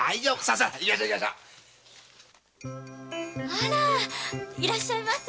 あらいらっしゃいませ。